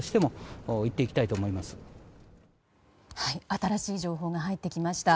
新しい情報が入ってきました。